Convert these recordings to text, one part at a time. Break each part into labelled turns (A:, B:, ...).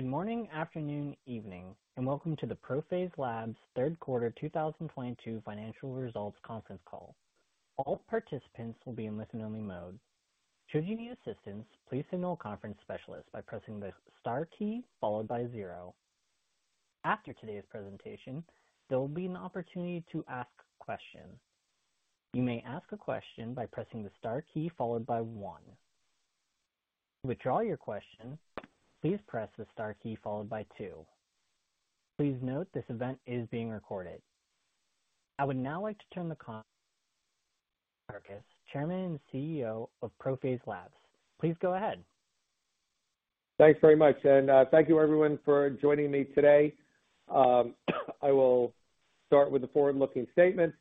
A: Good morning, afternoon, evening, and welcome to the ProPhase Labs third quarter 2022 financial results conference call. All participants will be in listen-only mode. Should you need assistance, please signal a conference specialist by pressing the star key followed by zero. After today's presentation, there will be an opportunity to ask questions. You may ask a question by pressing the star key followed by one. To withdraw your question, please press the star key followed by two. Please note this event is being recorded. I would now like to turn the call over to Ted Karkus, Chairman and CEO of ProPhase Labs. Please go ahead.
B: Thanks very much. Thank you everyone for joining me today. I will start with the forward-looking statement,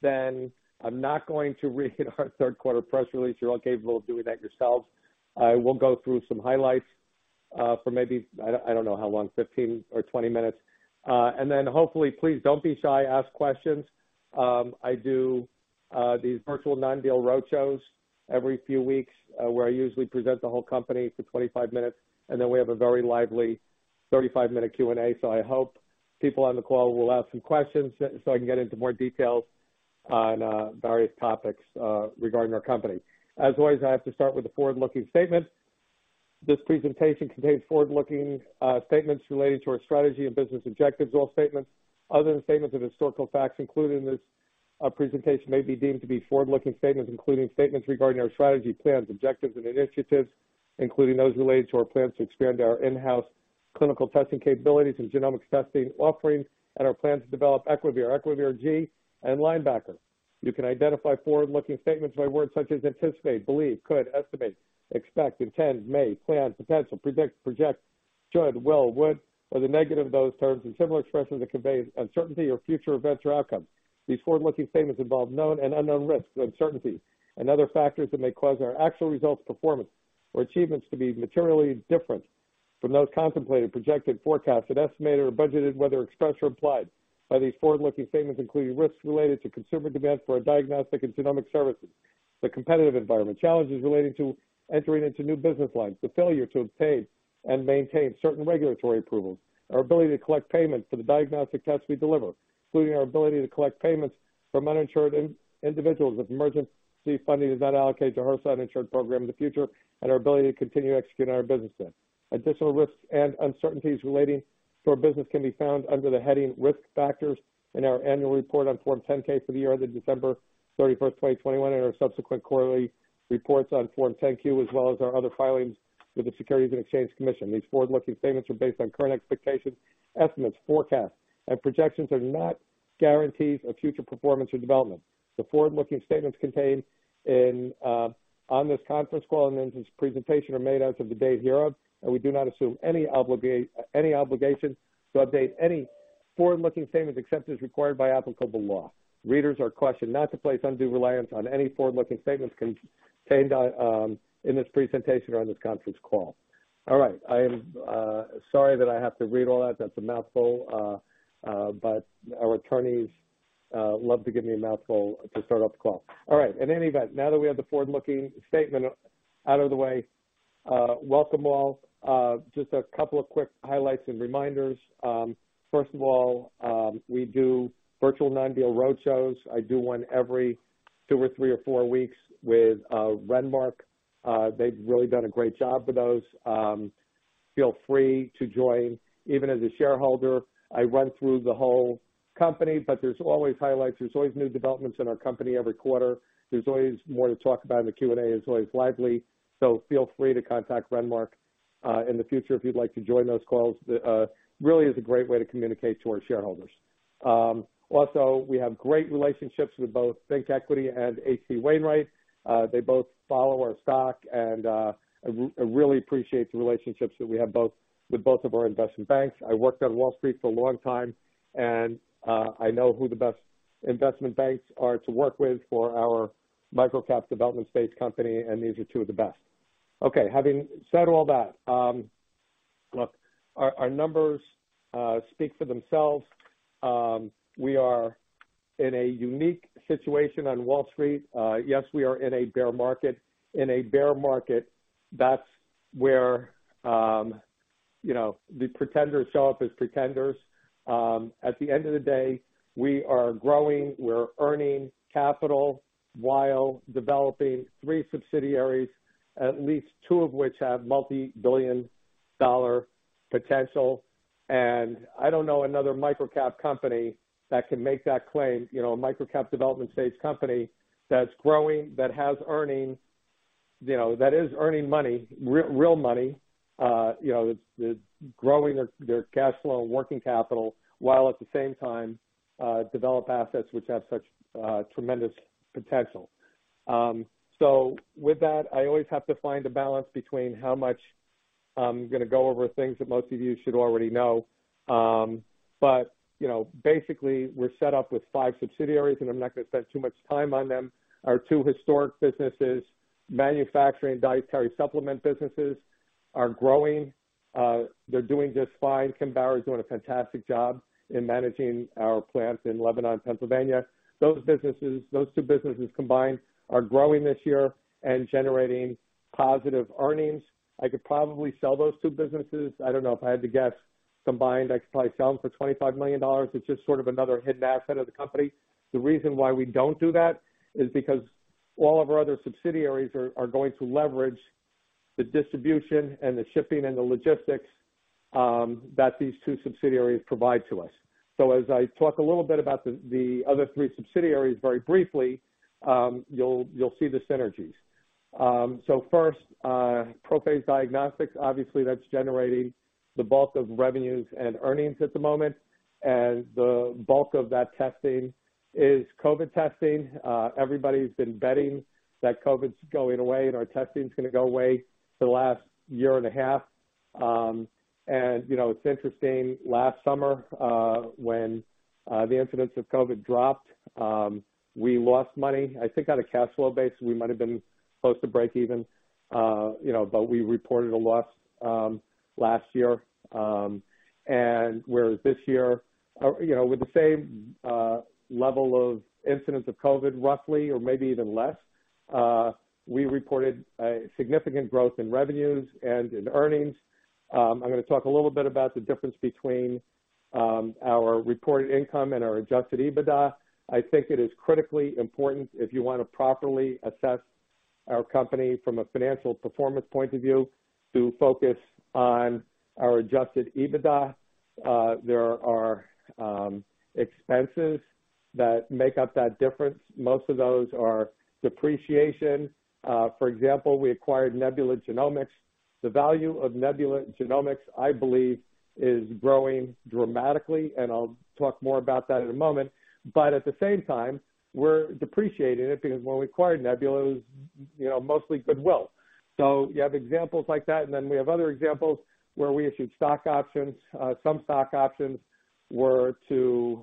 B: then I'm not going to read our third quarter press release. You're all capable of doing that yourselves. I will go through some highlights for maybe I don't know how long, 15 or 20 minutes. Hopefully, please don't be shy. Ask questions. I do these Virtual Non-Deal Roadshows every few weeks, where I usually present the whole company for 25 minutes, and then we have a very lively 35-minute Q&A. I hope people on the call will ask some questions so I can get into more details on various topics regarding our company. As always, I have to start with the forward-looking statement. This presentation contains forward-looking statements relating to our strategy and business objectives. All statements other than statements of historical facts included in this presentation may be deemed to be forward-looking statements, including statements regarding our strategy, plans, objectives and initiatives, including those relating to our plans to expand our in-house clinical testing capabilities and genomic testing offerings and our plans to develop Equivir G and Linebacker. You can identify forward-looking statements by words such as anticipate, believe, could, estimate, expect, intend, may, plan, potential, predict, project, should, will, would, or the negative of those terms and similar expressions that convey uncertainty or future events or outcomes. These forward-looking statements involve known and unknown risks, uncertainties and other factors that may cause our actual results, performance or achievements to be materially different from those contemplated, projected, forecasted, estimated or budgeted, whether expressed or implied by these forward-looking statements, including risks related to consumer demand for our diagnostic and genomic services, the competitive environment, challenges relating to entering into new business lines, the failure to obtain and maintain certain regulatory approvals, our ability to collect payments for the diagnostic tests we deliver, including our ability to collect payments from uninsured individuals if emergency funding is not allocated to our self-insured program in the future, and our ability to continue executing on our business then. Additional risks and uncertainties relating to our business can be found under the heading Risk Factors in our annual report on Form 10-K for the year ended December 31st, 2021, and our subsequent quarterly reports on Form 10-Q, as well as our other filings with the Securities and Exchange Commission. These forward-looking statements are based on current expectations. Estimates, forecasts and projections are not guarantees of future performance or development. The forward-looking statements contained in on this conference call and in this presentation are made as of the date hereof, and we do not assume any obligation to update any forward-looking statements except as required by applicable law. Readers are cautioned not to place undue reliance on any forward-looking statements contained in this presentation or on this conference call. All right. I am sorry that I have to read all that. That's a mouthful. Our attorneys love to give me a mouthful to start off the call. All right. In any event, now that we have the forward-looking statement out of the way, welcome all. Just a couple of quick highlights and reminders. First of all, we do Virtual Non-Deal Roadshows. I do one every two or three or four weeks with Renmark. They've really done a great job with those. Feel free to join. Even as a shareholder, I run through the whole company, but there's always highlights. There's always new developments in our company every quarter. There's always more to talk about in the Q&A. It's always lively. Feel free to contact Renmark in the future if you'd like to join those calls. Really is a great way to communicate to our shareholders. Also, we have great relationships with both ThinkEquity and H.C. Wainwright. They both follow our stock and I really appreciate the relationships that we have with both of our investment banks. I worked on Wall Street for a long time, and I know who the best investment banks are to work with for our microcap development stage company, and these are two of the best. Okay, having said all that, look, our numbers speak for themselves. We are in a unique situation on Wall Street. Yes, we are in a bear market. In a bear market, that's where you know, the pretenders show up as pretenders. At the end of the day, we are growing. We're earning capital while developing three subsidiaries, at least two of which have multi-billion dollar potential. I don't know another microcap company that can make that claim. You know, a microcap development stage company that's growing, that has earnings, you know, that is earning money, real money, you know, that's growing their cash flow and working capital while at the same time, develop assets which have such tremendous potential. So with that, I always have to find a balance between how much I'm gonna go over things that most of you should already know. But, you know, basically, we're set up with five subsidiaries, and I'm not gonna spend too much time on them. Our two historic businesses, manufacturing dietary supplement businesses are growing. They're doing just fine. Kim Bauer is doing a fantastic job in managing our plant in Lebanon, Pennsylvania. Those businesses. Those two businesses combined are growing this year and generating positive earnings. I could probably sell those two businesses. I don't know if I had to guess combined, I could probably sell them for $25 million. It's just sort of another hidden asset of the company. The reason why we don't do that is because all of our other subsidiaries are going to leverage the distribution and the shipping and the logistics that these two subsidiaries provide to us. As I talk a little bit about the other three subsidiaries very briefly, you'll see the synergies. First, ProPhase Diagnostics. Obviously, that's generating the bulk of revenues and earnings at the moment, and the bulk of that testing is COVID testing. Everybody's been betting that COVID's going away and our testing is gonna go away for the last year and a half. You know, it's interesting, last summer, when the incidence of COVID dropped, we lost money. I think on a cash flow basis, we might have been close to break even, you know, but we reported a loss last year. Whereas this year, you know, with the same level of incidence of COVID roughly or maybe even less, we reported a significant growth in revenues and in earnings. I'm gonna talk a little bit about the difference between our reported income and our adjusted EBITDA. I think it is critically important if you wanna properly assess our company from a financial performance point of view to focus on our adjusted EBITDA. There are expenses that make up that difference. Most of those are depreciation. For example, we acquired Nebula Genomics. The value of Nebula Genomics, I believe, is growing dramatically, and I'll talk more about that in a moment. At the same time, we're depreciating it because when we acquired Nebula, it was, you know, mostly goodwill. You have examples like that, and then we have other examples where we issued stock options. Some stock options were to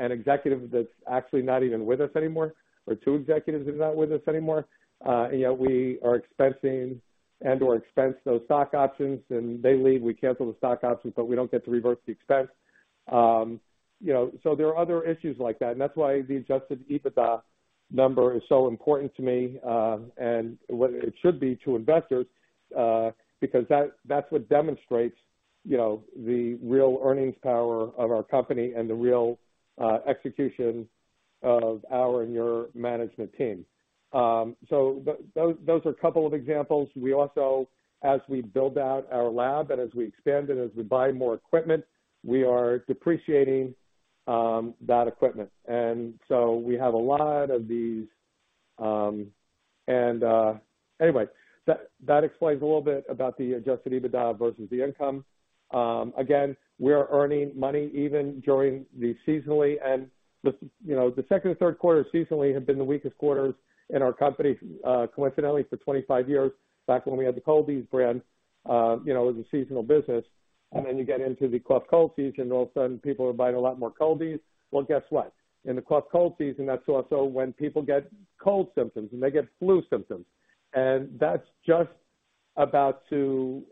B: an executive that's actually not even with us anymore or two executives who's not with us anymore. You know, we are expensing and/or expense those stock options, and they leave, we cancel the stock options, but we don't get to reverse the expense. You know, there are other issues like that, and that's why the adjusted EBITDA number is so important to me, and what it should be to investors, because that's what demonstrates, you know, the real earnings power of our company and the real execution of our and your management team. Those are a couple of examples. We also, as we build out our lab and as we expand and as we buy more equipment, we are depreciating that equipment. We have a lot of these. Anyway, that explains a little bit about the adjusted EBITDA versus the income. Again, we are earning money even during the seasonally and, you know, the second and third quarter seasonally have been the weakest quarters in our company, coincidentally for 25 years back when we had the Cold-EEZE brand, you know, as a seasonal business. Then you get into the cough, cold season, all of a sudden people are buying a lot more Cold-EEZE. Well, guess what? In the cough, cold season, that's also when people get cold symptoms and they get flu symptoms. That's just about to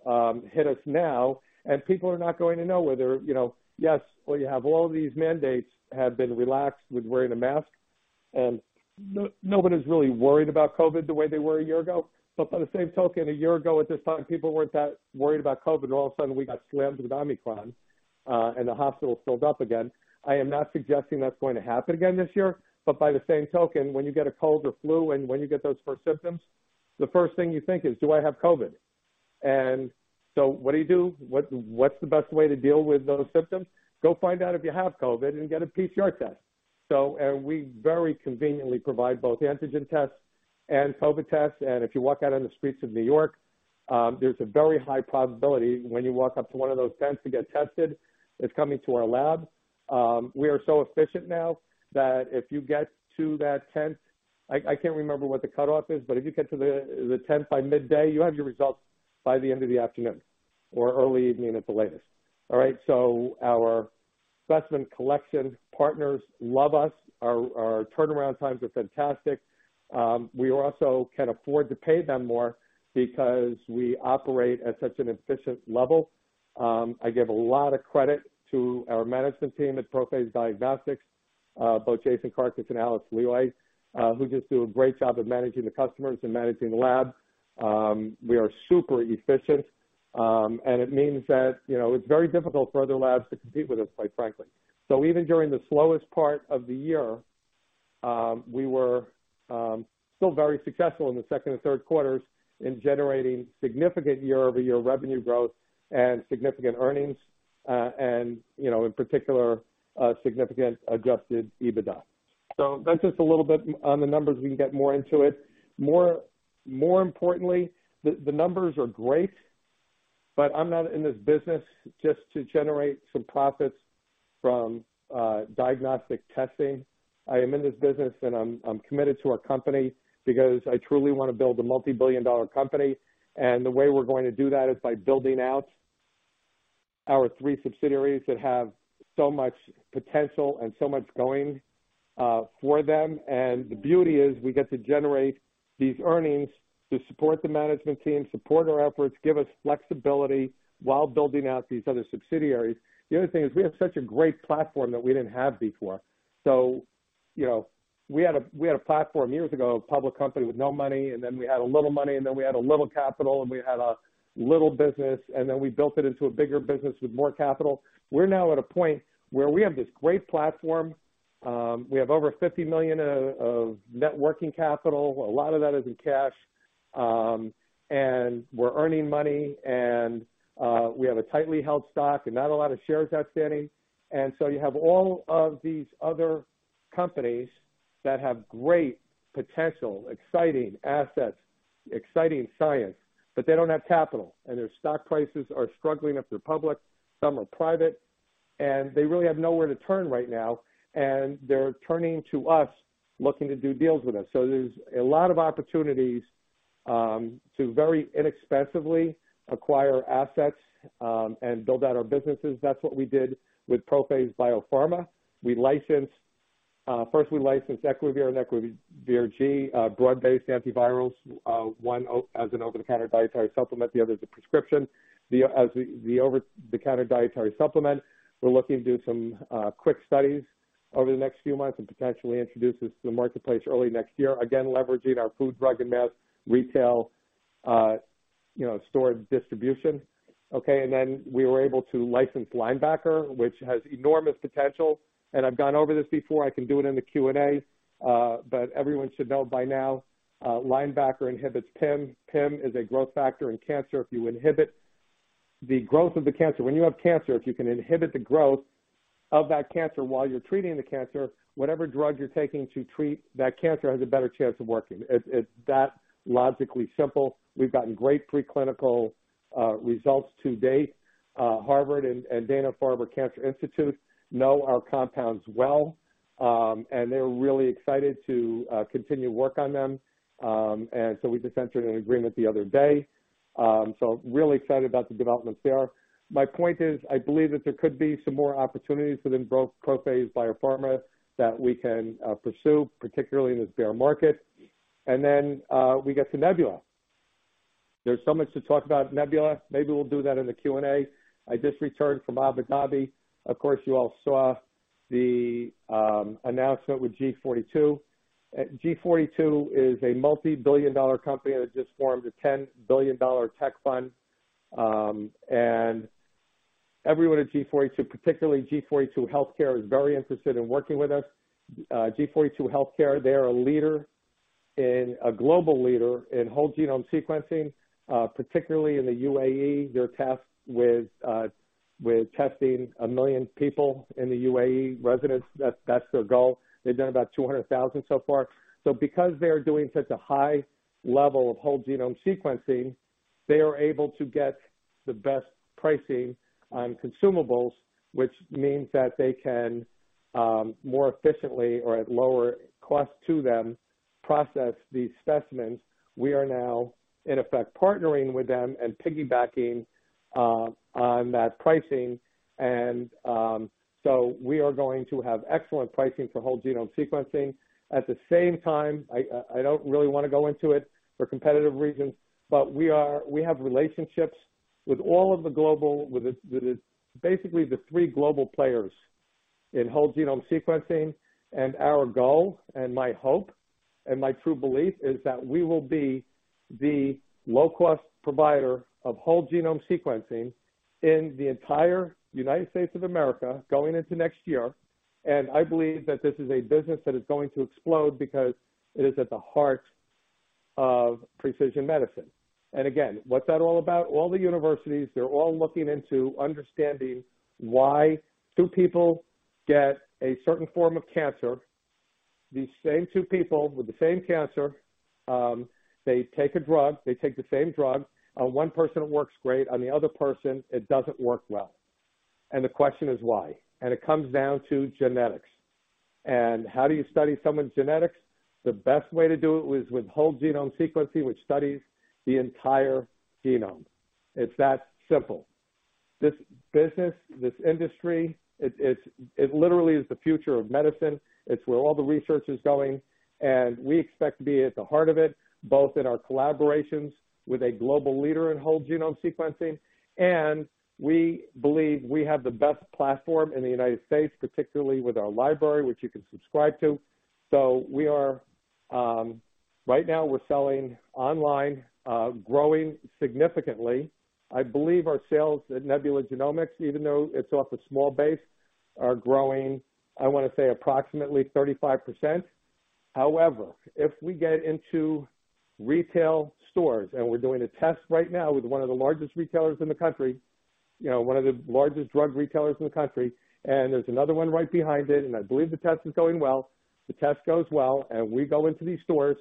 B: hit us now. People are not going to know whether, you know. Yes, we have all these mandates have been relaxed with wearing a mask, and nobody's really worried about COVID the way they were a year ago. But by the same token, a year ago, at this time, people weren't that worried about COVID. All of a sudden we got slammed with Omicron, and the hospital filled up again. I am not suggesting that's going to happen again this year, but by the same token, when you get a cold or flu and when you get those first symptoms, the first thing you think is, "Do I have COVID?" What do you do? What's the best way to deal with those symptoms? Go find out if you have COVID and get a PCR test. We very conveniently provide both antigen tests and COVID tests. If you walk out on the streets of New York, there's a very high probability when you walk up to one of those tents to get tested, it's coming to our lab. We are so efficient now that if you get to that tent, I can't remember what the cutoff is, but if you get to the tent by midday, you have your results by the end of the afternoon or early evening at the latest. All right. Our specimen collection partners love us. Our turnaround times are fantastic. We also can afford to pay them more because we operate at such an efficient level. I give a lot of credit to our management team at ProPhase Diagnostics, both Jason Karkus and Alice Lioi, who just do a great job of managing the customers and managing the lab. We are super efficient, and it means that, you know, it's very difficult for other labs to compete with us, quite frankly. Even during the slowest part of the year, we were still very successful in the second and third quarters in generating significant year-over-year revenue growth and significant earnings, you know, in particular, significant adjusted EBITDA. That's just a little bit on the numbers. We can get more into it. More importantly, the numbers are great, but I'm not in this business just to generate some profits from diagnostic testing. I am in this business, and I'm committed to our company because I truly wanna build a multi-billion dollar company. The way we're going to do that is by building out our three subsidiaries that have so much potential and so much going for them. The beauty is we get to generate these earnings to support the management team, support our efforts, give us flexibility while building out these other subsidiaries. The other thing is we have such a great platform that we didn't have before. You know, we had a platform years ago, a public company with no money, and then we had a little money, and then we had a little capital, and we had a little business, and then we built it into a bigger business with more capital. We're now at a point where we have this great platform. We have over $50 million of net working capital. A lot of that is in cash. We're earning money, and we have a tightly held stock and not a lot of shares outstanding. You have all of these other companies that have great potential, exciting assets, exciting science, but they don't have capital. Their stock prices are struggling if they're public. Some are private. They really have nowhere to turn right now. They're turning to us, looking to do deals with us. There's a lot of opportunities to very inexpensively acquire assets and build out our businesses. That's what we did with ProPhase BioPharma. We first licensed Equivir and Equivir G, broad-based antivirals, one as an over-the-counter dietary supplement, the other as a prescription. As the over-the-counter dietary supplement, we're looking to do some quick studies over the next few months and potentially introduce this to the marketplace early next year, again, leveraging our food, drug, and mass retail you know storage distribution. We were able to license Linebacker, which has enormous potential. I've gone over this before. I can do it in the Q&A. Everyone should know by now, Linebacker inhibits PIM. PIM is a growth factor in cancer. If you inhibit the growth of the cancer. When you have cancer, if you can inhibit the growth of that cancer while you're treating the cancer, whatever drug you're taking to treat that cancer has a better chance of working. It's that logically simple. We've gotten great preclinical results to date. Harvard and Dana-Farber Cancer Institute know our compounds well, and they're really excited to continue work on them. We just entered an agreement the other day. Really excited about the developments there. My point is, I believe that there could be some more opportunities within ProPhase BioPharma that we can pursue, particularly in this bear market. Then we get to Nebula. There's so much to talk about Nebula. Maybe we'll do that in the Q&A. I just returned from Abu Dhabi. Of course, you all saw the announcement with G42. G42 is a multi-billion dollar company that just formed a $10 billion tech fund. Everyone at G42, particularly G42 Healthcare, is very interested in working with us. G42 Healthcare, they're a global leader in whole genome sequencing, particularly in the UAE. They're tasked with testing 1 million people in the UAE residents. That's their goal. They've done about 200,000 so far. Because they are doing such a high level of whole genome sequencing, they are able to get the best pricing on consumables, which means that they can more efficiently or at lower cost to them, process these specimens. We are now in effect partnering with them and piggybacking on that pricing. We are going to have excellent pricing for whole genome sequencing. At the same time, I don't really wanna go into it for competitive reasons, but we have relationships with basically the three global players in whole genome sequencing. Our goal, and my hope, and my true belief is that we will be the low-cost provider of whole genome sequencing in the entire United States of America going into next year. I believe that this is a business that is going to explode because it is at the heart of precision medicine. Again, what's that all about? All the universities, they're all looking into understanding why two people get a certain form of cancer. These same two people with the same cancer, they take a drug, they take the same drug. On one person, it works great. On the other person, it doesn't work well. The question is why? It comes down to genetics. How do you study someone's genetics? The best way to do it is with whole genome sequencing, which studies the entire genome. It's that simple. This business, this industry, it literally is the future of medicine. It's where all the research is going, and we expect to be at the heart of it, both in our collaborations with a global leader in whole genome sequencing, and we believe we have the best platform in the United States, particularly with our library, which you can subscribe to. We are right now selling online, growing significantly. I believe our sales at Nebula Genomics, even though it's off a small base, are growing. I wanna say approximately 35%. However, if we get into retail stores, and we're doing a test right now with one of the largest retailers in the country, you know, one of the largest drug retailers in the country, and there's another one right behind it, and I believe the test is going well. The test goes well, and we go into these stores,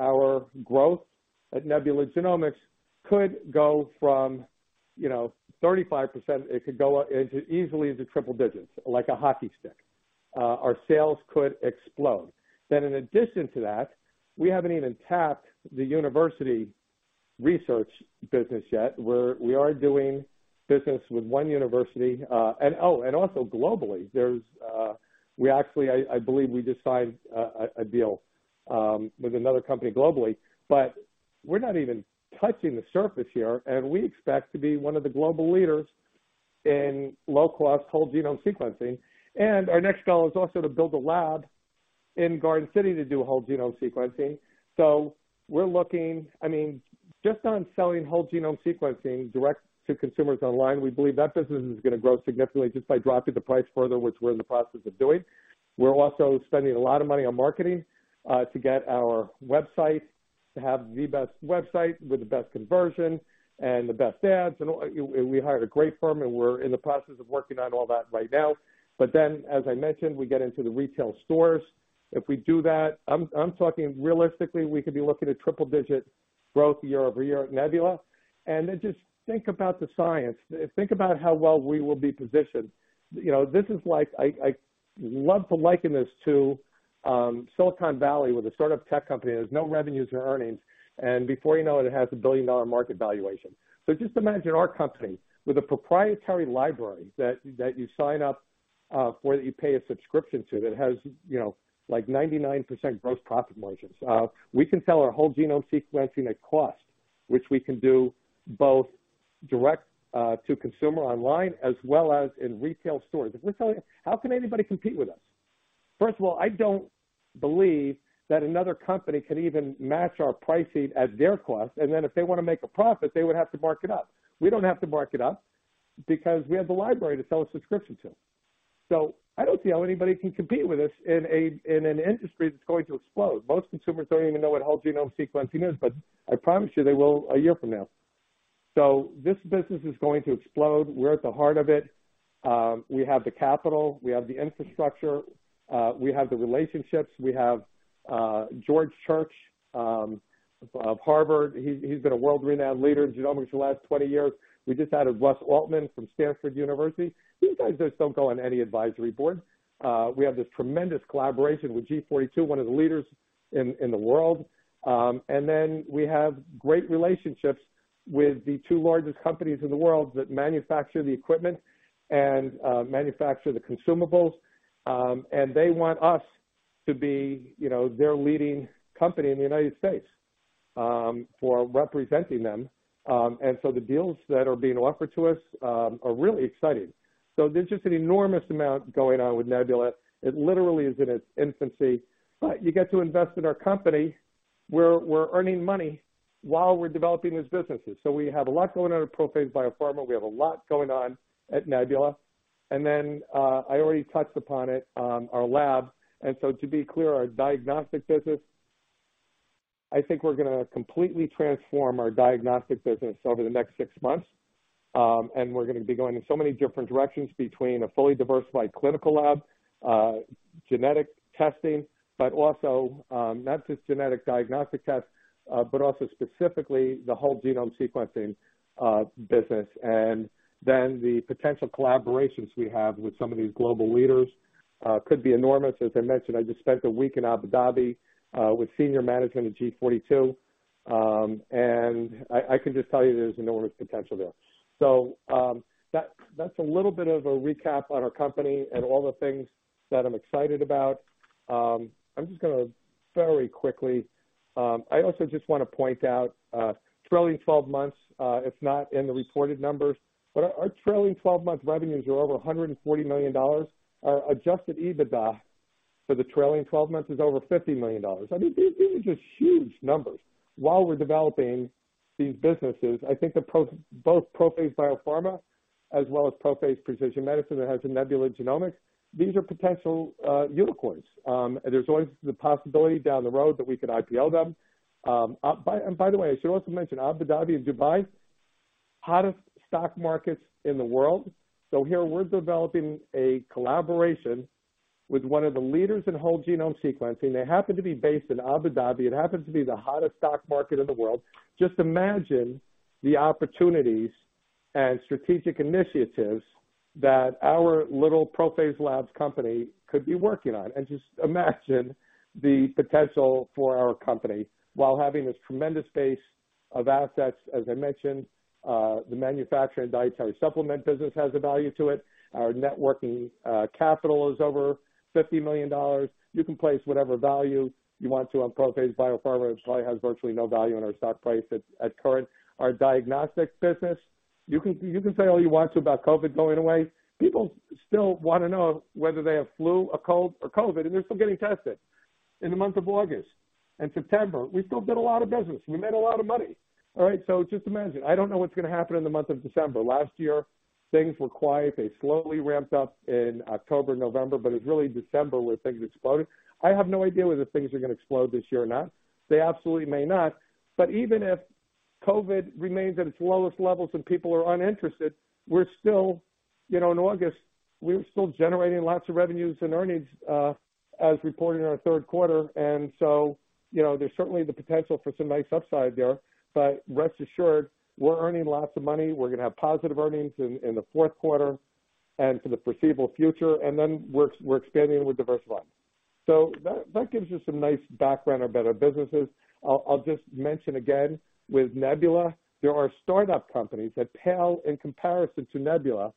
B: our growth at Nebula Genomics could go from, you know, 35%, it could go up into easily into triple digits, like a hockey stick. Our sales could explode. In addition to that, we haven't even tapped the university research business yet, where we are doing business with one university. Oh, and also globally, there's, we actually, I believe we just signed a deal with another company globally, but we're not even touching the surface here, and we expect to be one of the global leaders in low-cost whole genome sequencing. Our next goal is also to build a lab in Garden City to do whole genome sequencing. We're looking. I mean, just on selling whole genome sequencing direct to consumers online, we believe that business is gonna grow significantly just by dropping the price further, which we're in the process of doing. We're also spending a lot of money on marketing to get our website to have the best website with the best conversion and the best ads, and we hired a great firm, and we're in the process of working on all that right now. Then as I mentioned, we get into the retail stores. If we do that, I'm talking realistically, we could be looking at triple-digit growth year-over-year at Nebula. Then just think about the science. Think about how well we will be positioned. You know, this is like, I love to liken this to Silicon Valley with a startup tech company that has no revenues or earnings, and before you know it has $1 billion market valuation. Just imagine our company with a proprietary library that you sign up for, that you pay a subscription to that has, you know, like 99% gross profit margins. We can sell our whole genome sequencing at cost, which we can do both direct to consumer online as well as in retail stores. If we tell you, how can anybody compete with us? First of all, I don't believe that another company could even match our pricing at their cost, and then if they wanna make a profit, they would have to mark it up. We don't have to mark it up because we have the library to sell a subscription to. I don't see how anybody can compete with us in an industry that's going to explode. Most consumers don't even know what whole genome sequencing is, but I promise you they will a year from now. This business is going to explode. We're at the heart of it. We have the capital, we have the infrastructure, we have the relationships. We have George Church of Harvard. He has been a world-renowned leader in genomics for the last 20 years. We just added Russ Altman from Stanford University. These guys just don't go on any advisory board. We have this tremendous collaboration with G42, one of the leaders in the world. We have great relationships with the two largest companies in the world that manufacture the equipment and manufacture the consumables, and they want us to be, you know, their leading company in the United States, for representing them. The deals that are being offered to us are really exciting. There's just an enormous amount going on with Nebula. It literally is in its infancy. You get to invest in our company where we're earning money while we're developing these businesses. We have a lot going on at ProPhase BioPharma. We have a lot going on at Nebula. I already touched upon it, our lab. To be clear, our diagnostic business, I think we're gonna completely transform our diagnostic business over the next six months, and we're gonna be going in so many different directions between a fully diversified clinical lab, genetic testing, but also, not just genetic diagnostic tests, but also specifically the whole genome sequencing business. The potential collaborations we have with some of these global leaders could be enormous. As I mentioned, I just spent a week in Abu Dhabi with senior management at G42, and I can just tell you there's enormous potential there. That's a little bit of a recap on our company and all the things that I'm excited about. I'm just gonna very quickly, I also just wanna point out, trailing 12 months, it's not in the reported numbers, but our trailing 12-month revenues are over $140 million. Our adjusted EBITDA for the trailing 12 months is over $50 million. I mean, these are just huge numbers while we're developing these businesses. I think both ProPhase BioPharma as well as ProPhase Precision Medicine that has the Nebula Genomics, these are potential unicorns. There's always the possibility down the road that we could IPO them. By the way, I should also mention Abu Dhabi and Dubai, hottest stock markets in the world. Here we're developing a collaboration with one of the leaders in whole genome sequencing. They happen to be based in Abu Dhabi. It happens to be the hottest stock market in the world. Just imagine the opportunities and strategic initiatives that our little ProPhase Labs company could be working on. Just imagine the potential for our company while having this tremendous base of assets. As I mentioned, the manufacturing dietary supplement business has a value to it. Our net working capital is over $50 million. You can place whatever value you want to on ProPhase BioPharma. It probably has virtually no value in our stock price at current. Our diagnostics business, you can say all you want to about COVID going away. People still wanna know whether they have flu, a cold, or COVID, and they're still getting tested in the month of August and September. We still did a lot of business. We made a lot of money. All right. Just imagine. I don't know what's gonna happen in the month of December. Last year, things were quiet. They slowly ramped up in October, November, but it's really December where things exploded. I have no idea whether things are gonna explode this year or not. They absolutely may not. Even if COVID remains at its lowest levels and people are uninterested, we're still, you know, in August, we're still generating lots of revenues and earnings, as reported in our third quarter. You know, there's certainly the potential for some nice upside there. Rest assured, we're earning lots of money. We're gonna have positive earnings in the fourth quarter and for the foreseeable future, and then we're expanding with Diverse Life. That gives you some nice background on better businesses. I'll just mention again, with Nebula, there are startup companies that pale in comparison to Nebula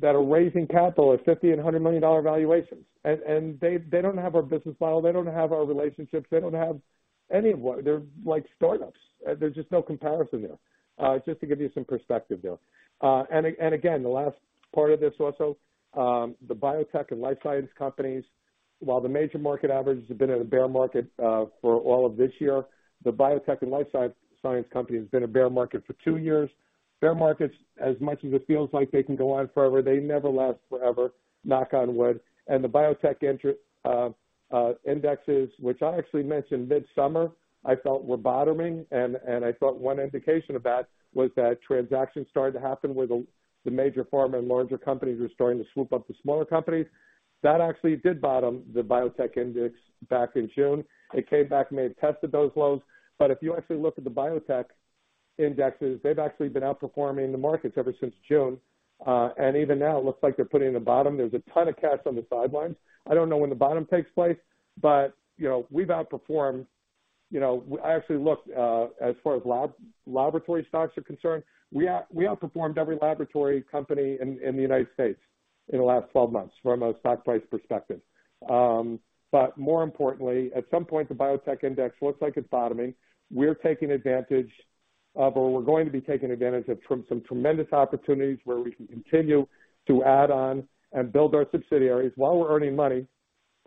B: that are raising capital at $50 million and $100 million valuations. They don't have our business model, they don't have our relationships, they don't have any of what. They're like startups. There's just no comparison there. Just to give you some perspective there. And again, the last part of this also, the biotech and life science companies, while the major market averages have been in a bear market, for all of this year, the biotech and life science company has been a bear market for two years. Bear markets, as much as it feels like they can go on forever, they never last forever. Knock on wood. The biotech indexes, which I actually mentioned midsummer, I felt were bottoming. I thought one indication of that was that transactions started to happen where the major pharma and larger companies were starting to swoop up the smaller companies. That actually did bottom the biotech index back in June. It came back and may have tested those lows. But if you actually look at the biotech indexes, they've actually been outperforming the markets ever since June. And even now it looks like they're putting in the bottom. There's a ton of cash on the sidelines. I don't know when the bottom takes place, but you know, we've outperformed. You know, I actually looked as far as laboratory stocks are concerned, we outperformed every laboratory company in the United States in the last 12 months from a stock price perspective. But more importantly, at some point, the biotech index looks like it's bottoming. We're taking advantage of, or we're going to be taking advantage of some tremendous opportunities where we can continue to add on and build our subsidiaries while we're earning money.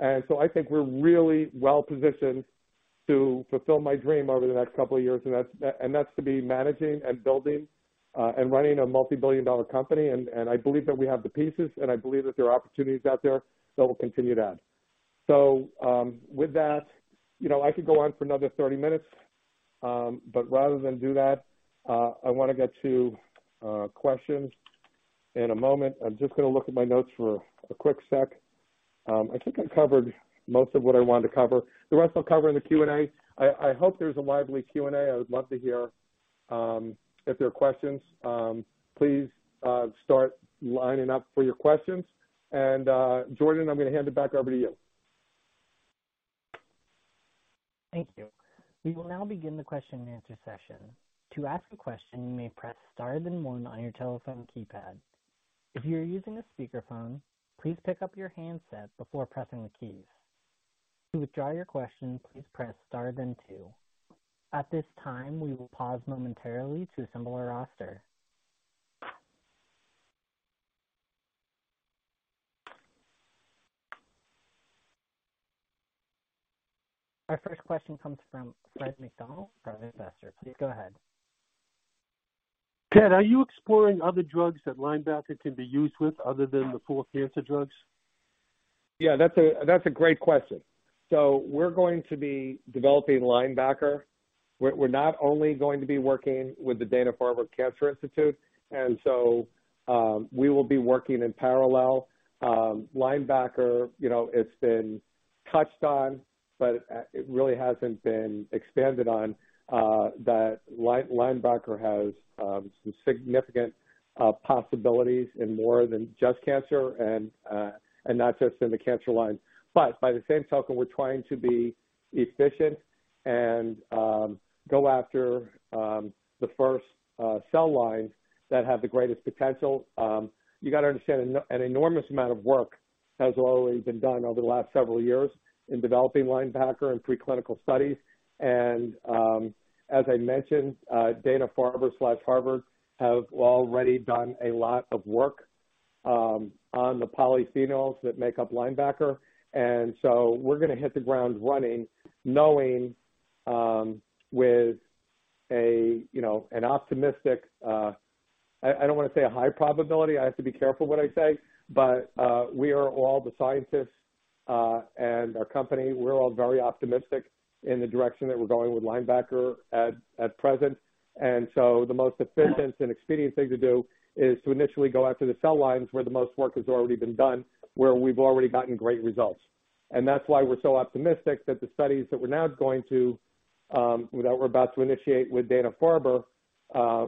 B: I think we're really well positioned to fulfill my dream over the next couple of years, and that's to be managing and building and running a multi-billion dollar company. I believe that we have the pieces, and I believe that there are opportunities out there that we'll continue to add. With that, you know, I could go on for another 30 minutes, but rather than do that, I wanna get to questions in a moment. I'm just gonna look at my notes for a quick sec. I think I covered most of what I wanted to cover. The rest I'll cover in the Q&A. I hope there's a lively Q&A. I would love to hear if there are questions, please start lining up for your questions. Jordan, I'm gonna hand it back over to you.
A: Thank you. We will now begin the question and answer session. To ask a question, you may press star then one on your telephone keypad. If you're using a speakerphone, please pick up your handset before pressing the keys. To withdraw your question, please press star then two. At this time, we will pause momentarily to assemble our roster. Our first question comes from Fred McDonald, Private Investor. Please go ahead.
C: Ted, are you exploring other drugs that Linebacker can be used with other than the four cancer drugs?
B: That's a great question. We're going to be developing Linebacker. We're not only going to be working with the Dana-Farber Cancer Institute, we will be working in parallel. Linebacker, you know, it's been touched on, but it really hasn't been expanded on that Linebacker has some significant possibilities in more than just cancer and not just in the cancer line. But by the same token, we're trying to be efficient and go after the first cell lines that have the greatest potential. You gotta understand an enormous amount of work has already been done over the last several years in developing Linebacker and preclinical studies. As I mentioned, Dana-Farber/Harvard have already done a lot of work on the polyphenols that make up Linebacker. We're gonna hit the ground running, knowing, with a, you know, an optimistic, I don't wanna say a high probability. I have to be careful what I say. We are all the scientists, and our company, we're all very optimistic in the direction that we're going with Linebacker at present. The most efficient and expedient thing to do is to initially go after the cell lines where the most work has already been done, where we've already gotten great results. That's why we're so optimistic that the studies that we're about to initiate with Dana-Farber,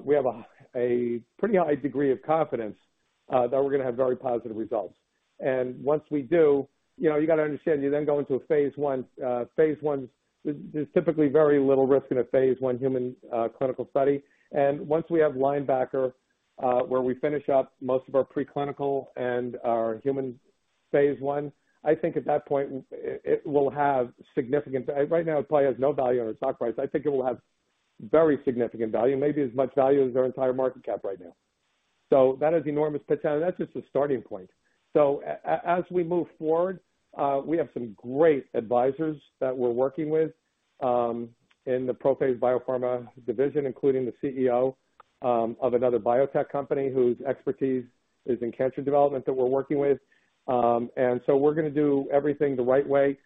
B: we have a pretty high degree of confidence that we're gonna have very positive results. Once we do, you know, you gotta understand, you then go into a phase I. phase I, there's typically very little risk in a phase I human clinical study. Once we have Linebacker, where we finish up most of our preclinical and our human phase I, I think at that point it will have significant value. Right now, it probably has no value on our stock price. I think it will have very significant value, maybe as much value as our entire market cap right now. That is enormous potential. That's just a starting point. As we move forward, we have some great advisors that we're working with in the ProPhase BioPharma division, including the CEO of another biotech company whose expertise is in cancer development that we're working with. We're gonna do everything the right way.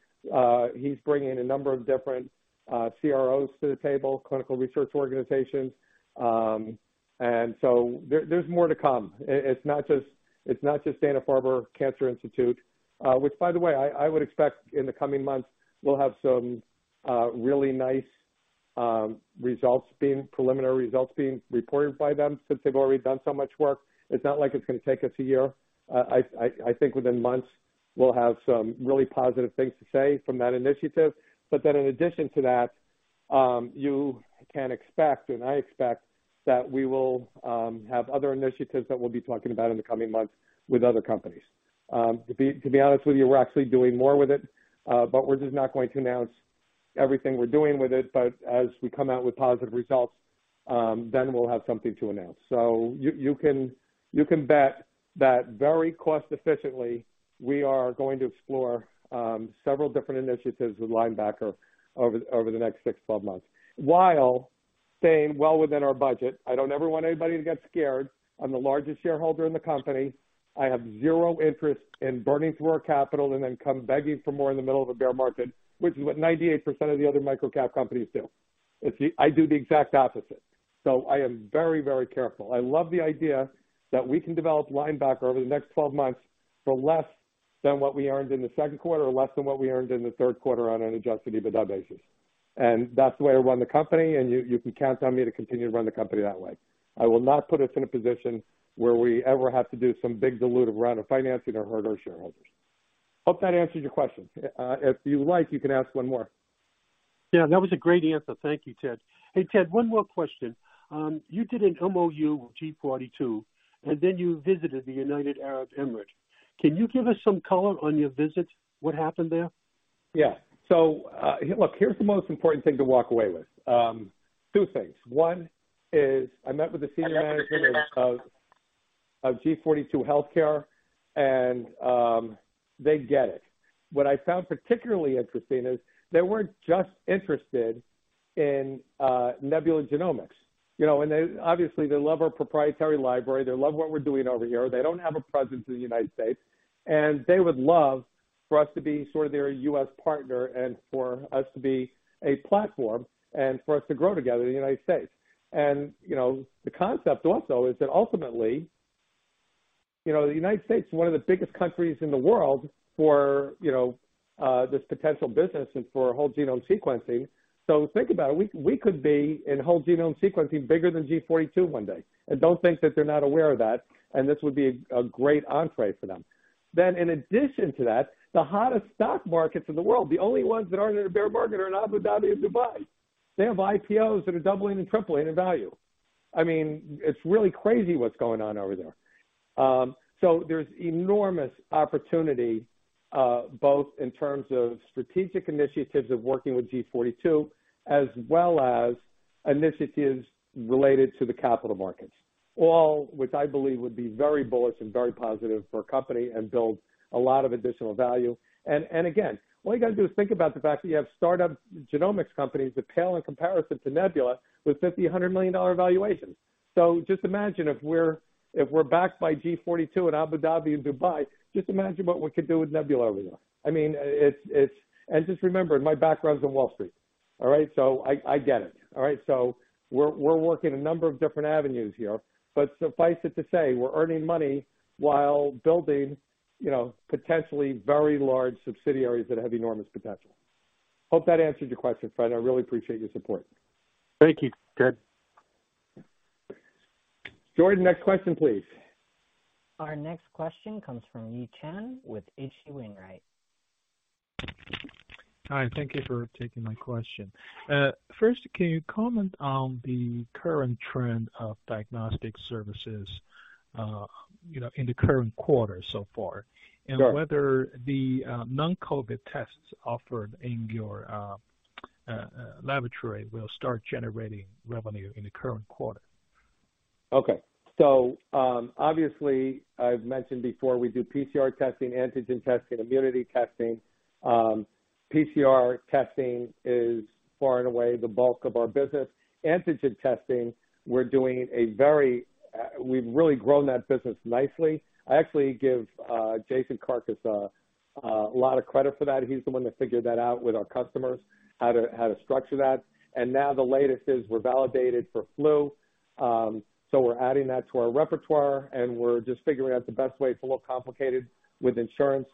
B: He's bringing in a number of different CROs to the table, clinical research organizations. There's more to come. It's not just Dana-Farber Cancer Institute. Which by the way, I would expect in the coming months we'll have some preliminary results being reported by them since they've already done so much work. It's not like it's gonna take us a year. I think within months we'll have some really positive things to say from that initiative. In addition to that, you can expect, and I expect that we will have other initiatives that we'll be talking about in the coming months with other companies. To be honest with you, we're actually doing more with it, but we're just not going to announce everything we're doing with it. As we come out with positive results, then we'll have something to announce. You can bet that very cost efficiently, we are going to explore several different initiatives with Linebacker over the next six to 12 months while staying well within our budget. I don't ever want anybody to get scared. I'm the largest shareholder in the company. I have zero interest in burning through our capital and then come begging for more in the middle of a bear market, which is what 98% of the other microcap companies do. It's. I do the exact opposite. I am very, very careful. I love the idea that we can develop Linebacker over the next 12 months for less than what we earned in the second quarter or less than what we earned in the third quarter on an adjusted EBITDA basis. That's the way I run the company, and you can count on me to continue to run the company that way. I will not put us in a position where we ever have to do some big dilutive round of financing that hurt our shareholders. Hope that answers your question. If you like, you can ask one more.
C: Yeah, that was a great answer. Thank you, Ted. Hey, Ted, one more question. You did an MOU with G42, and then you visited the United Arab Emirates. Can you give us some color on your visit? What happened there?
B: Yeah. Look, here's the most important thing to walk away with. Two things. One is I met with the senior management of G42 Healthcare and they get it. What I found particularly interesting is they weren't just interested in Nebula Genomics, you know. They obviously love our proprietary library. They love what we're doing over here. They don't have a presence in the United States, and they would love for us to be sort of their U.S. partner and for us to be a platform and for us to grow together in the United States. You know, the concept also is that ultimately, you know, the United States is one of the biggest countries in the world for, you know, this potential business and for whole genome sequencing. Think about it. We could be in whole genome sequencing bigger than G42 one day. Don't think that they're not aware of that and this would be a great entry for them. In addition to that, the hottest stock markets in the world, the only ones that aren't in a bear market are in Abu Dhabi and Dubai. They have IPOs that are doubling and tripling in value. I mean, it's really crazy what's going on over there. There's enormous opportunity both in terms of strategic initiatives of working with G42 as well as initiatives related to the capital markets. All which I believe would be very bullish and very positive for our company and build a lot of additional value. Again, all you gotta do is think about the fact that you have startup genomics companies that pale in comparison to Nebula with $50 million and $100 million valuations. Just imagine if we're backed by G42 in Abu Dhabi and Dubai, just imagine what we could do with Nebula over there. I mean, it's. Just remember, my background's on Wall Street, all right? I get it, all right. We're working a number of different avenues here, but suffice it to say, we're earning money while building, you know, potentially very large subsidiaries that have enormous potential. Hope that answered your question, Fred. I really appreciate your support.
C: Thank you, Ted.
B: Jordan, next question, please.
A: Our next question comes from Yi Chen with H.C. Wainwright.
D: Hi, thank you for taking my question. First, can you comment on the current trend of diagnostic services, you know, in the current quarter so far?
B: Sure
D: whether the non-COVID tests offered in your laboratory will start generating revenue in the current quarter?
B: Okay. Obviously, I've mentioned before we do PCR testing, antigen testing, immunity testing. PCR testing is far and away the bulk of our business. Antigen testing, we've really grown that business nicely. I actually give Jason Karkus a lot of credit for that. He's the one that figured that out with our customers, how to structure that. Now the latest is we're validated for flu, so we're adding that to our repertoire, and we're just figuring out the best way. It's a little complicated with insurance,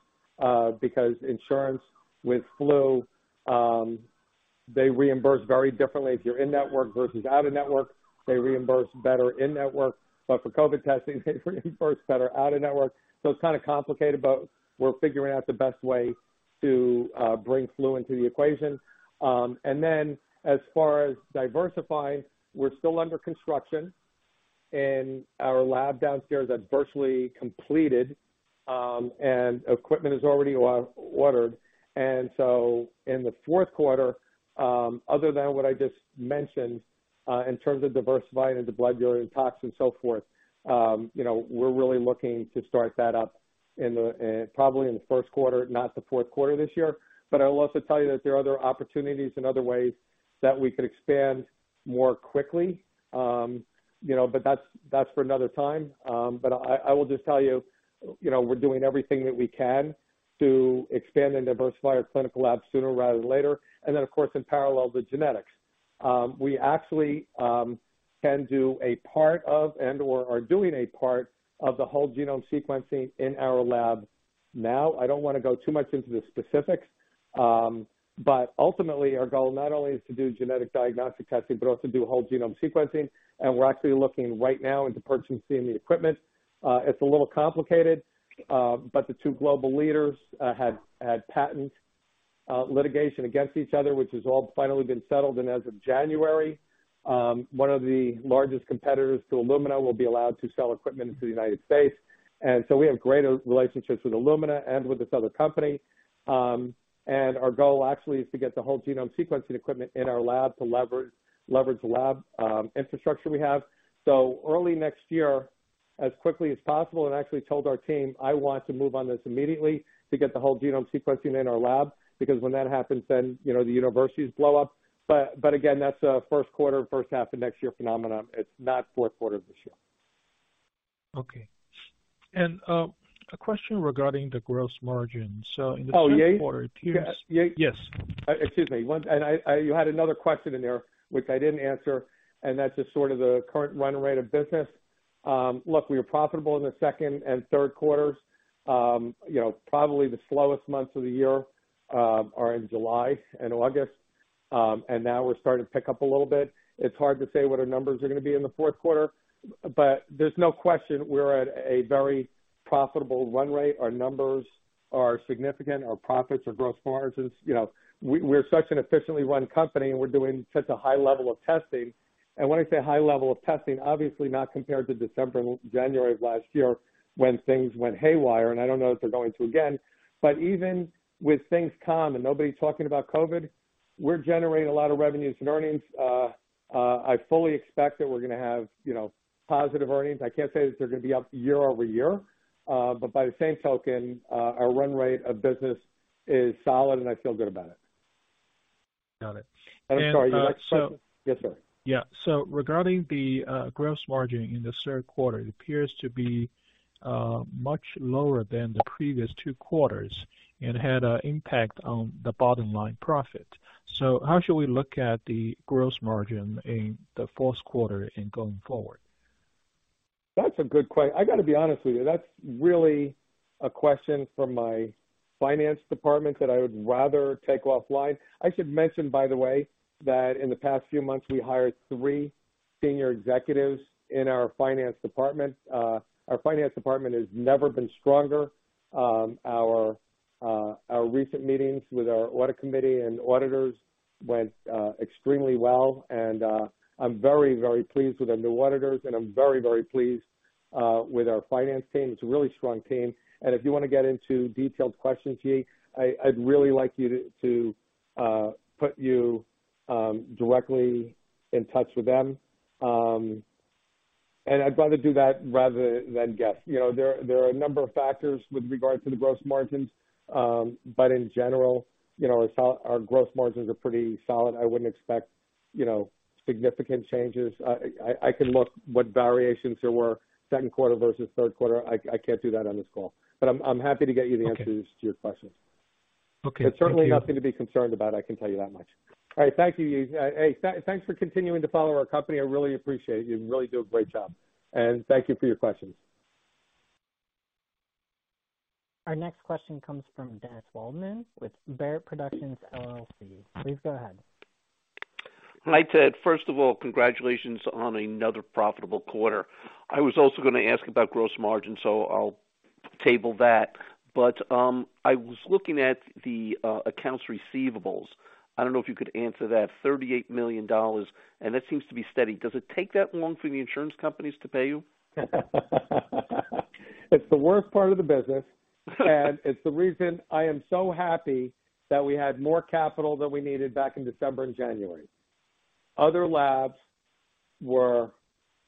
B: because insurance with flu, they reimburse very differently if you're in-network versus out-of-network. They reimburse better in-network, but for COVID testing, they reimburse better out-of-network. It's kinda complicated, but we're figuring out the best way to bring flu into the equation. As far as diversifying, we're still under construction and our lab downstairs is virtually completed, and equipment is already ordered. In the fourth quarter, other than what I just mentioned, in terms of diversifying into blood urine tox and so forth, you know, we're really looking to start that up in the, probably in the first quarter, not the fourth quarter this year. I'll also tell you that there are other opportunities and other ways that we could expand more quickly. You know, that's for another time. I will just tell you know, we're doing everything that we can to expand and diversify our clinical lab sooner rather than later. Of course, in parallel with genetics. We actually can do a part of and/or are doing a part of the whole genome sequencing in our lab now. I don't wanna go too much into the specifics. But ultimately our goal not only is to do genetic diagnostic testing, but also do whole genome sequencing. We're actually looking right now into purchasing the equipment. It's a little complicated, but the two global leaders had patent litigation against each other, which has all finally been settled. As of January, one of the largest competitors to Illumina will be allowed to sell equipment to the United States. We have greater relationships with Illumina and with this other company. Our goal actually is to get the whole genome sequencing equipment in our lab to leverage the lab infrastructure we have. Early next year, as quickly as possible, and I actually told our team, I want to move on this immediately to get the whole genome sequencing in our lab, because when that happens, then, you know, the universities blow up. But again, that's a first quarter, first half of next year phenomenon. It's not fourth quarter this year.
D: Okay. A question regarding the gross margins in the third quarter.
B: Oh, Yi?
D: Yes.
B: Excuse me. You had another question in there which I didn't answer, and that's just sort of the current run rate of business. Look, we were profitable in the second and third quarters. You know, probably the slowest months of the year are in July and August. Now we're starting to pick up a little bit. It's hard to say what our numbers are gonna be in the fourth quarter, but there's no question we're at a very profitable run rate. Our numbers are significant. Our profits, our gross margins, you know, we're such an efficiently run company, and we're doing such a high level of testing. When I say high level of testing, obviously not compared to December and January of last year when things went haywire, and I don't know if they're going to again. Even with things calm and nobody talking about COVID, we're generating a lot of revenues and earnings. I fully expect that we're gonna have, you know, positive earnings. I can't say that they're gonna be up year over year, but by the same token, our run rate of business is solid, and I feel good about it.
D: Got it.
B: I'm sorry. You had a question?
D: So-
B: Yes, sir.
D: Regarding the gross margin in the third quarter, it appears to be much lower than the previous two quarters and had an impact on the bottom line profit. How should we look at the gross margin in the fourth quarter and going forward?
B: I gotta be honest with you. That's really a question from my finance department that I would rather take offline. I should mention, by the way, that in the past few months, we hired three senior executives in our finance department. Our finance department has never been stronger. Our recent meetings with our audit committee and auditors went extremely well. I'm very, very pleased with our new auditors, and I'm very, very pleased with our finance team. It's a really strong team. If you wanna get into detailed questions, Yi, I'd really like to put you directly in touch with them. I'd rather do that rather than guess. There are a number of factors with regard to the gross margins. In general, you know, our gross margins are pretty solid. I wouldn't expect, you know, significant changes. I can look what variations there were second quarter versus third quarter. I can't do that on this call, but I'm happy to get you the answers.
D: Okay.
B: to your questions.
D: Okay. Thank you.
B: It's certainly nothing to be concerned about, I can tell you that much. All right. Thank you, Yi. Hey, thanks for continuing to follow our company. I really appreciate you and you really do a great job. Thank you for your questions.
A: Our next question comes from Dennis Waldman with Barrett Productions, LLC. Please go ahead.
E: Hi, Ted. First of all, congratulations on another profitable quarter. I was also gonna ask about gross margin, so I'll table that. I was looking at the accounts receivable. I don't know if you could answer that. $38 million, and that seems to be steady. Does it take that long for the insurance companies to pay you?
B: It's the worst part of the business, and it's the reason I am so happy that we had more capital than we needed back in December and January. Other labs were,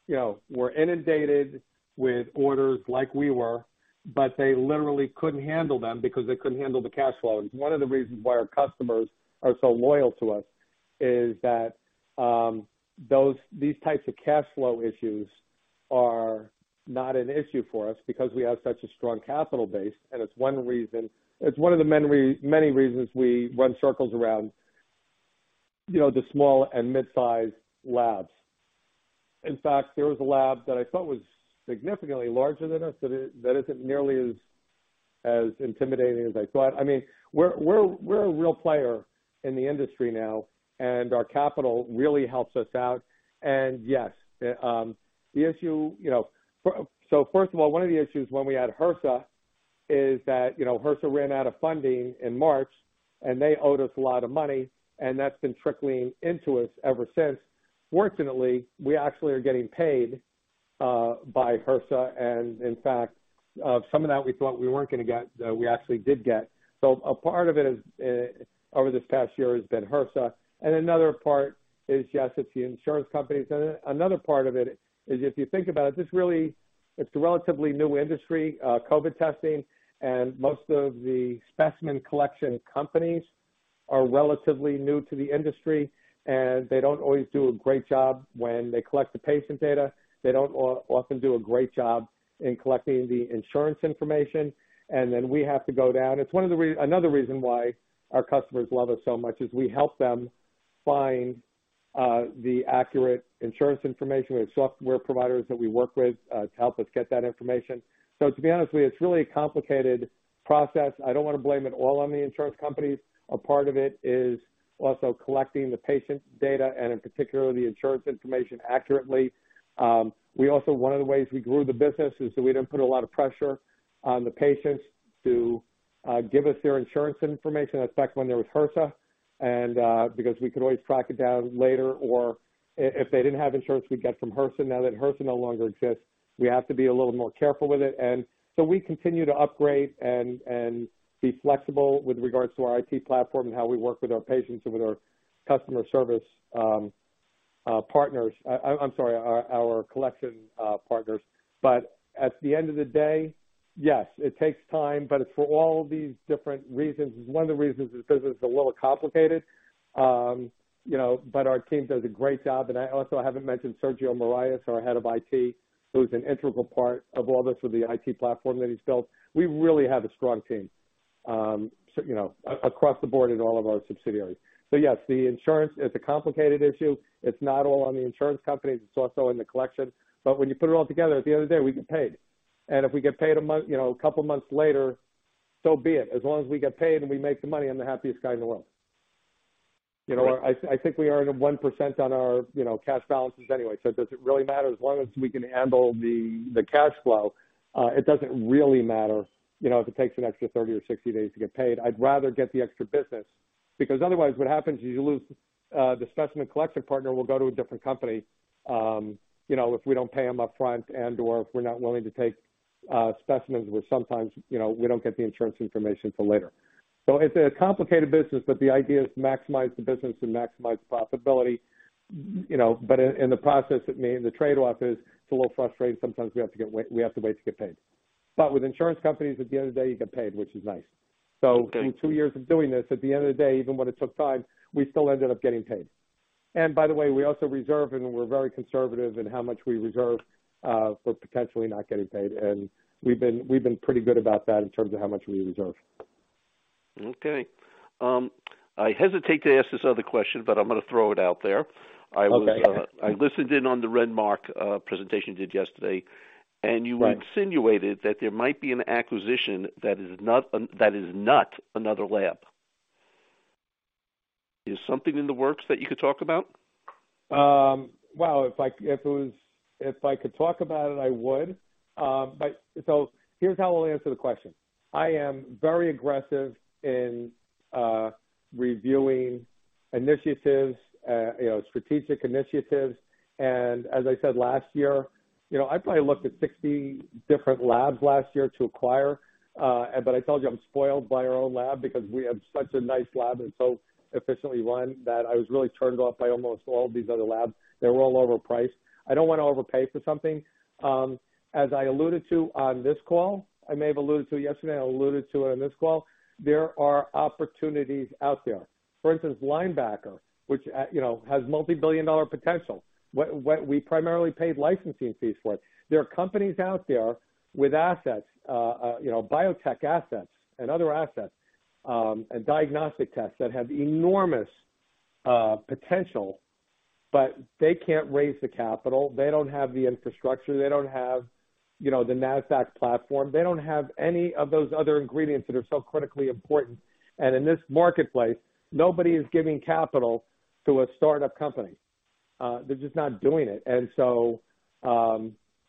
B: you know, inundated with orders like we were, but they literally couldn't handle them because they couldn't handle the cash flow. One of the reasons why our customers are so loyal to us is that these types of cash flow issues are not an issue for us because we have such a strong capital base, and it's one reason. It's one of the many reasons we run circles around, you know, the small and mid-sized labs. In fact, there was a lab that I thought was significantly larger than us that isn't nearly as intimidating as I thought. I mean, we're a real player in the industry now, and our capital really helps us out. Yes, the issue, you know. First of all, one of the issues when we had HRSA is that, you know, HRSA ran out of funding in March, and they owed us a lot of money, and that's been trickling into us ever since. Fortunately, we actually are getting paid by HRSA. In fact, some of that we thought we weren't gonna get, we actually did get. A part of it is, over this past year has been HRSA, and another part is yes, it's the insurance companies. Another part of it is, if you think about it's a relatively new industry, COVID testing, and most of the specimen collection companies are relatively new to the industry, and they don't always do a great job when they collect the patient data. They don't often do a great job in collecting the insurance information. Then we have to go down. It's another reason why our customers love us so much is we help them find the accurate insurance information. We have software providers that we work with to help us get that information. To be honest with you, it's really a complicated process. I don't wanna blame it all on the insurance companies. A part of it is also collecting the patient data and in particular, the insurance information accurately. One of the ways we grew the business is that we didn't put a lot of pressure on the patients to give us their insurance information. In fact, when there was HRSA and because we could always track it down later, or if they didn't have insurance, we'd get from HRSA. Now that HRSA no longer exists, we have to be a little more careful with it. We continue to upgrade and be flexible with regards to our IT platform and how we work with our patients and with our customer service partners. I'm sorry, our collection partners. At the end of the day, yes, it takes time, but it's for all these different reasons. One of the reasons this business is a little complicated, you know. Our team does a great job. I also haven't mentioned Sergio Miralles, our head of IT, who's an integral part of all this with the IT platform that he's built. We really have a strong team, you know, across the board in all of our subsidiaries. Yes, the insurance is a complicated issue. It's not all on the insurance companies, it's also in the collection. When you put it all together, at the end of the day, we get paid. If we get paid a month, you know, a couple months later, so be it. As long as we get paid and we make the money, I'm the happiest guy in the world. You know, I think we earn 1% on our, you know, cash balances anyway. Does it really matter? As long as we can handle the cash flow, it doesn't really matter, you know, if it takes an extra 30 or 60 days to get paid. I'd rather get the extra business, because otherwise what happens is you lose the specimen collection partner will go to a different company, you know, if we don't pay them up front and/or if we're not willing to take specimens where sometimes, you know, we don't get the insurance information till later. It's a complicated business, but the idea is to maximize the business and maximize profitability, you know. In the process, it may. The trade-off is it's a little frustrating. Sometimes we have to wait to get paid. With insurance companies, at the end of the day, you get paid, which is nice.
E: Okay.
B: In two years of doing this, at the end of the day, even when it took time, we still ended up getting paid. By the way, we also reserve, and we're very conservative in how much we reserve, for potentially not getting paid. We've been pretty good about that in terms of how much we reserve.
E: Okay. I hesitate to ask this other question, but I'm gonna throw it out there.
B: Okay.
E: I listened in on the Renmark presentation you did yesterday.
B: Right.
E: You insinuated that there might be an acquisition that is not another lab. Is something in the works that you could talk about?
B: If I could talk about it, I would. Here's how I'll answer the question. I am very aggressive in reviewing initiatives, you know, strategic initiatives. As I said last year, you know, I probably looked at 60 different labs last year to acquire. I told you I'm spoiled by our own lab because we have such a nice lab and it's so efficiently run that I was really turned off by almost all of these other labs. They were all overpriced. I don't wanna overpay for something. As I alluded to on this call, I may have alluded to it yesterday. I alluded to it on this call. There are opportunities out there. For instance, Linebacker, which, you know, has multi-billion-dollar potential. What we primarily paid licensing fees for. There are companies out there with assets, you know, biotech assets and other assets, and diagnostic tests that have enormous potential, but they can't raise the capital. They don't have the infrastructure. They don't have, you know, the NASDAQ platform. They don't have any of those other ingredients that are so critically important. In this marketplace, nobody is giving capital to a startup company. They're just not doing it.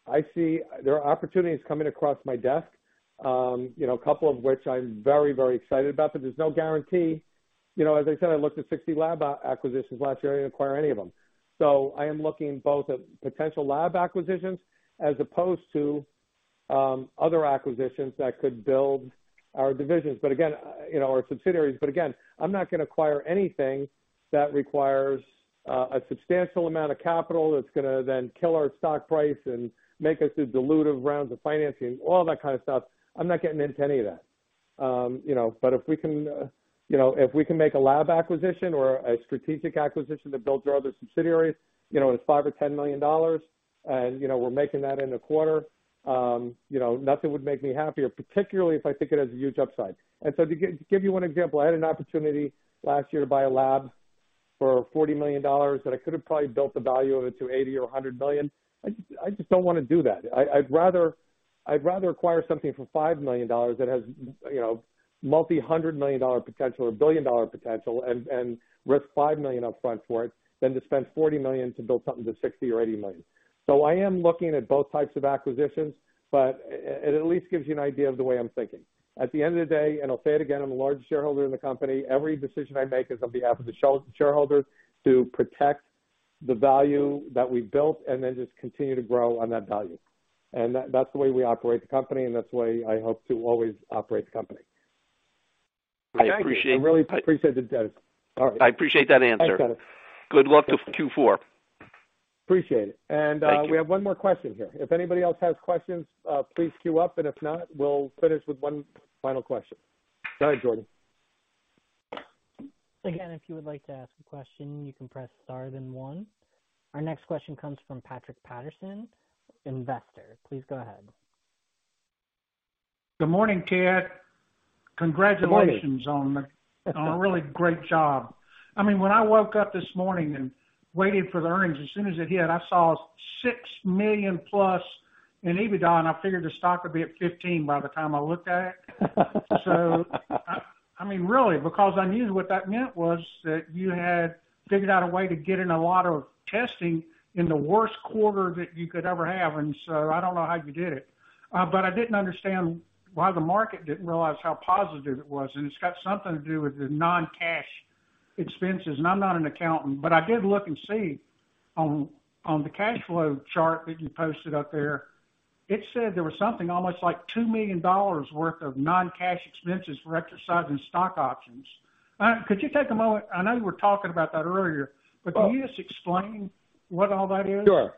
B: I see there are opportunities coming across my desk, you know, a couple of which I'm very, very excited about, but there's no guarantee. You know, as I said, I looked at 60 lab acquisitions last year. I didn't acquire any of them. I am looking both at potential lab acquisitions as opposed to other acquisitions that could build our divisions. Again, you know, our subsidiaries. Again, I'm not gonna acquire anything that requires a substantial amount of capital, that's gonna then kill our stock price and make us do dilutive rounds of financing, all that kind of stuff. I'm not getting into any of that. You know, if we can, you know, if we can make a lab acquisition or a strategic acquisition that builds our other subsidiaries, you know, it's $5 million or $10 million and, you know, we're making that in a quarter, you know, nothing would make me happier, particularly if I think it has a huge upside. To give you one example, I had an opportunity last year to buy a lab for $40 million, and I could have probably built the value of it to $80 million or $100 million. I just don't wanna do that. I'd rather acquire something for $5 million that has, you know, multi-hundred-million-dollar potential or billion-dollar potential and risk $5 million upfront for it than to spend $40 million to build something to $60 million or $80 million. I am looking at both types of acquisitions, but it at least gives you an idea of the way I'm thinking. At the end of the day, and I'll say it again, I'm a large shareholder in the company, every decision I make is on behalf of the shareholders to protect the value that we've built and then just continue to grow on that value. That, that's the way we operate the company, and that's the way I hope to always operate the company.
E: I appreciate.
B: I really appreciate. All right.
E: I appreciate that answer.
B: Thanks, Dennis.
E: Good luck with Q4.
B: Appreciate it.
E: Thank you.
B: We have one more question here. If anybody else has questions, please queue up. If not, we'll finish with one final question. Go ahead, Jordan.
A: Again, if you would like to ask a question, you can press star then one. Our next question comes from Patrick Patterson, investor. Please go ahead.
F: Good morning, Ted. Congratulations on the.
B: Good morning.
F: on a really great job. I mean, when I woke up this morning and waited for the earnings, as soon as it hit, I saw $6 million+ in EBITDA, and I figured the stock would be at $15 by the time I looked at it. I mean, really, because I knew what that meant was that you had figured out a way to get in a lot of testing in the worst quarter that you could ever have. I don't know how you did it. But I didn't understand why the market didn't realize how positive it was, and it's got something to do with the non-cash expenses. I'm not an accountant, but I did look and see on the cash flow chart that you posted up there. It said there was something almost like $2 million worth of non-cash expenses for exercising stock options. Could you take a moment? I know you were talking about that earlier.
B: Well-
F: Can you just explain what all that is?
B: Sure.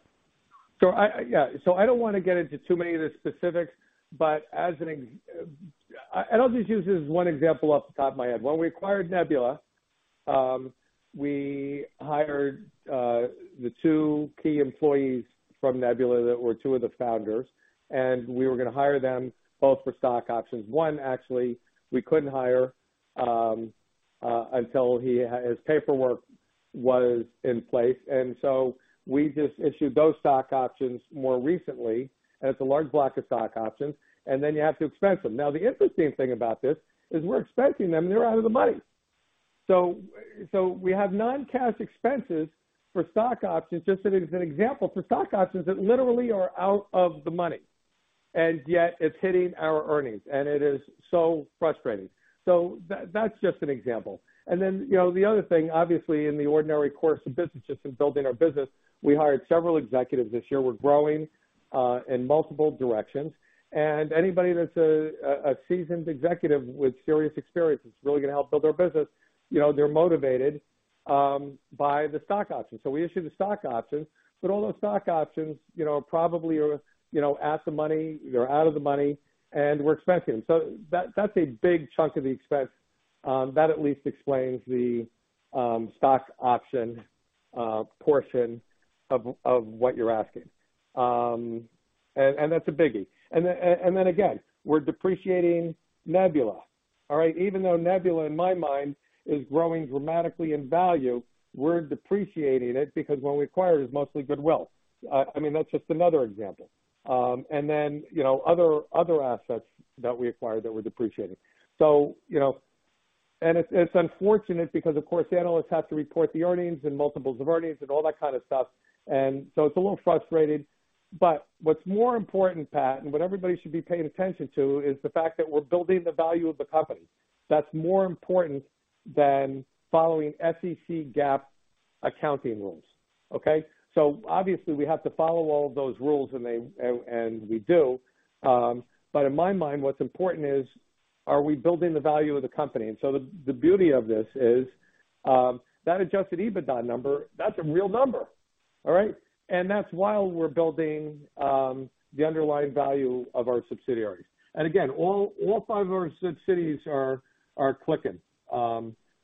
B: I don't wanna get into too many of the specifics, but I'll just use this one example off the top of my head. When we acquired Nebula, we hired the two key employees from Nebula that were two of the founders, and we were gonna hire them both for stock options. One, actually, we couldn't hire until he had his paperwork in place. We just issued those stock options more recently, and it's a large block of stock options, and then you have to expense them. Now, the interesting thing about this is we're expensing them, and they're out of the money. We have non-cash expenses for stock options, just as an example, for stock options that literally are out of the money. Yet it's hitting our earnings, and it is so frustrating. That, that's just an example. You know, the other thing, obviously, in the ordinary course of business, just in building our business, we hired several executives this year. We're growing in multiple directions. Anybody that's a seasoned executive with serious experience that's really gonna help build our business, you know, they're motivated by the stock options. We issue the stock options, but all those stock options, you know, probably are, you know, at the money, they're out of the money, and we're expensing them. That, that's a big chunk of the expense that at least explains the stock option portion of what you're asking. That's a biggie. Again, we're depreciating Nebula. All right? Even though Nebula, in my mind, is growing dramatically in value, we're depreciating it because when we acquire it's mostly goodwill. I mean, that's just another example. You know, other assets that we acquired that we're depreciating. It's unfortunate because, of course, analysts have to report the earnings and multiples of earnings and all that kind of stuff. It's a little frustrating. What's more important, Pat, and what everybody should be paying attention to is the fact that we're building the value of the company. That's more important than following SEC GAAP accounting rules. Okay? Obviously, we have to follow all of those rules, and we do. In my mind, what's important is, are we building the value of the company? The beauty of this is that adjusted EBITDA number, that's a real number. All right. That's while we're building the underlying value of our subsidiaries. Again, all five of our subsidiaries are clicking,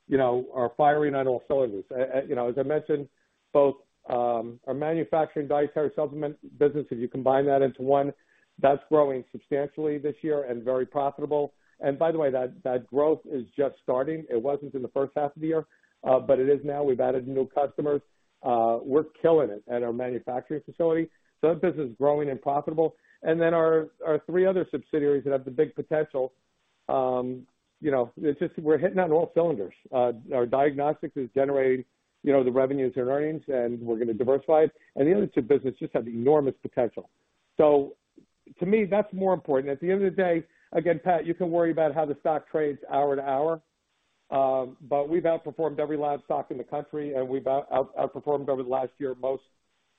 B: you know, are firing on all cylinders. You know, as I mentioned, both our manufacturing dietary supplement business, if you combine that into one, that's growing substantially this year and very profitable. By the way, that growth is just starting. It wasn't in the first half of the year, but it is now. We've added new customers. We're killing it at our manufacturing facility. That business is growing and profitable. Then our three other subsidiaries that have the big potential, you know, it's just we're hitting on all cylinders. Our diagnostics is generating, you know, the revenues and earnings, and we're gonna diversify it. The institute business just has enormous potential. To me, that's more important. At the end of the day, again, Pat, you can worry about how the stock trades hour to hour, but we've outperformed every lab stock in the country, and we've outperformed over the last year most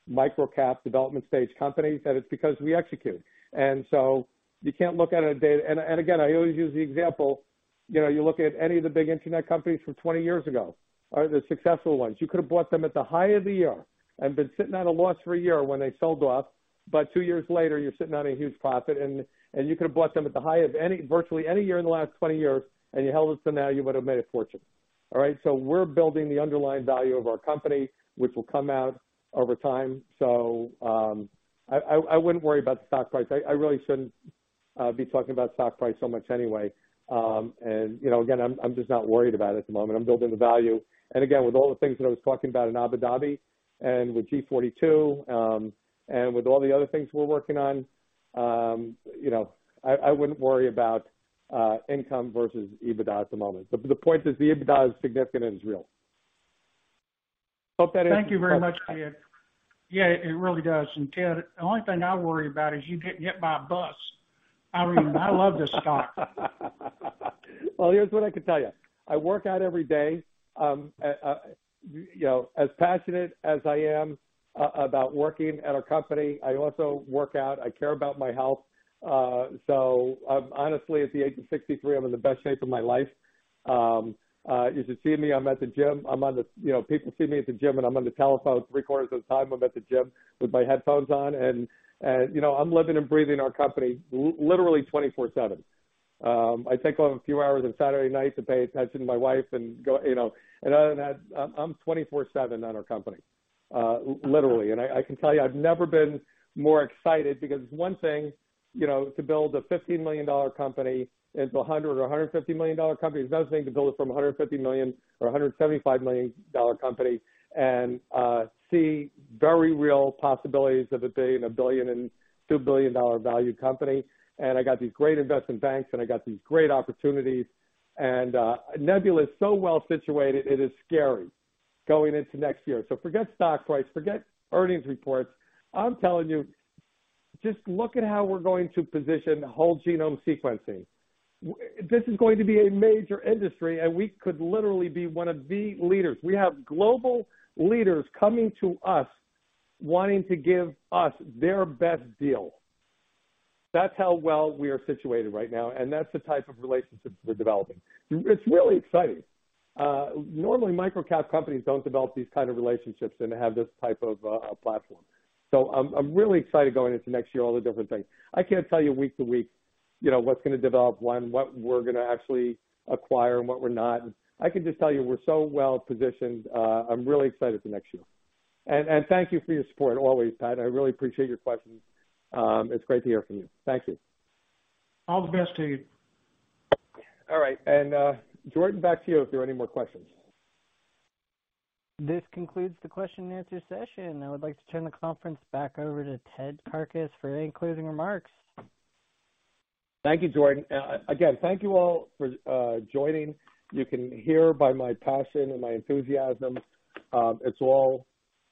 B: micro-cap development stage companies, and it's because we execute. You can't look at it day. I always use the example, you know, you look at any of the big internet companies from 20 years ago, all right, the successful ones. You could have bought them at the high of the year and been sitting at a loss for a year when they sold off. Two years later, you're sitting on a huge profit, and you could have bought them at the high of any, virtually any year in the last 20 years, and you held it till now, you would have made a fortune. All right. We're building the underlying value of our company, which will come out over time. I wouldn't worry about the stock price. I really shouldn't be talking about stock price so much anyway. You know, again, I'm just not worried about it at the moment. I'm building the value. Again, with all the things that I was talking about in Abu Dhabi and with G42, and with all the other things we're working on, you know, I wouldn't worry about income versus EBITDA at the moment. The point is the EBITDA is significant and is real. Hope that answers-
F: Thank you very much, Ted. Yeah, it really does. Ted, the only thing I worry about is you getting hit by a bus. I mean, I love this stock.
B: Well, here's what I can tell you. I work out every day. You know, as passionate as I am about working at our company, I also work out. I care about my health. Honestly, at the age of 63, I'm in the best shape of my life. You should see me. I'm at the gym. You know, people see me at the gym, and I'm on the telephone three-quarters of the time I'm at the gym with my headphones on. You know, I'm living and breathing our company literally 24/7. I take home a few hours on Saturday night to pay attention to my wife and go, you know. Other than that, I'm 24/7 on our company, literally. I can tell you I've never been more excited because it's one thing, you know, to build a $50 million company into a $100 million or $150 million company. It's another thing to build it from a $150 million or $175 million company and see very real possibilities of it being a $1 billion and $2 billion dollar value company. I got these great investment banks, and I got these great opportunities. Nebula is so well situated, it is scary going into next year. Forget stock price, forget earnings reports. I'm telling you, just look at how we're going to position whole genome sequencing. This is going to be a major industry, and we could literally be one of the leaders. We have global leaders coming to us wanting to give us their best deal. That's how well we are situated right now, and that's the type of relationships we're developing. It's really exciting. Normally, microcap companies don't develop these kind of relationships and have this type of a platform. So I'm really excited going into next year, all the different things. I can't tell you week to week, you know, what's gonna develop, when, what we're gonna actually acquire and what we're not. I can just tell you we're so well-positioned. I'm really excited for next year. Thank you for your support always, Pat. I really appreciate your questions. It's great to hear from you. Thank you.
F: All the best to you.
B: All right. Jordan, back to you if there are any more questions.
A: This concludes the question and answer session. I would like to turn the conference back over to Ted Karkus for any concluding remarks.
B: Thank you, Jordan. Again, thank you all for joining. You can hear by my passion and my enthusiasm. It's all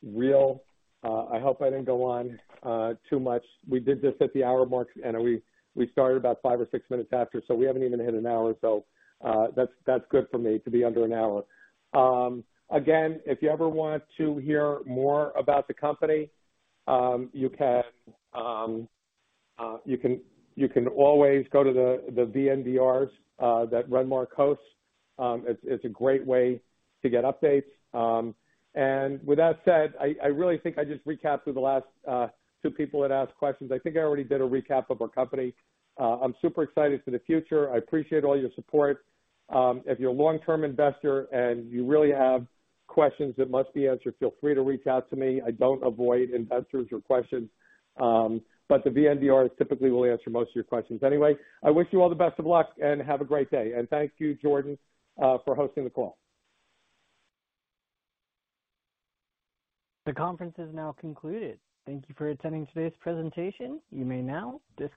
B: real. I hope I didn't go on too much. We did this at the hour mark, and we started about five or six minutes after, so we haven't even hit an hour. That's good for me to be under an hour. Again, if you ever want to hear more about the company, you can always go to the VNDRs that Renmark hosts. It's a great way to get updates. With that said, I really think I just recapped through the last two people that asked questions. I think I already did a recap of our company. I'm super excited for the future. I appreciate all your support. If you're a long-term investor and you really have questions that must be answered, feel free to reach out to me. I don't avoid investors or questions. The VNDRs typically will answer most of your questions. Anyway, I wish you all the best of luck, and have a great day. Thank you, Jordan, for hosting the call.
A: The conference is now concluded. Thank you for attending today's presentation. You may now disconnect.